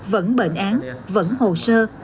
vẫn bệnh án vẫn hồ sơ